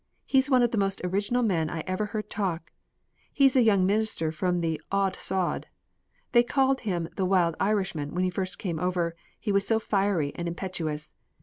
He is one of the most original men I ever heard talk. He's a young minister from the 'auld sod.' They called him the 'wild Irishman' when he first came over, he was so fiery and impetuous.